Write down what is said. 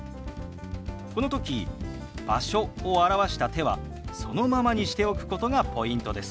この時「場所」を表した手はそのままにしておくことがポイントです。